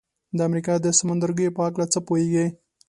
د امریکا د سمندرګیو په هکله څه پوهیږئ؟